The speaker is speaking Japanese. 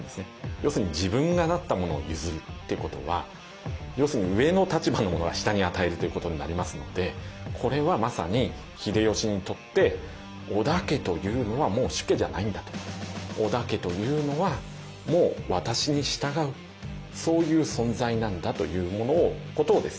要するに自分がなったものを譲るっていうことは要するに上の立場の者が下に与えるということになりますのでこれはまさに織田家というのはもう私に従うそういう存在なんだということをですね